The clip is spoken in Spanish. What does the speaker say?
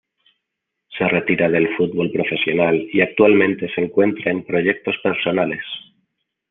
Se retira del futbol profesional y actualmente se encuentra en proyectos personales.